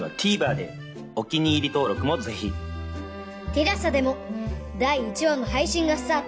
ＴＥＬＡＳＡ でも第１話の配信がスタート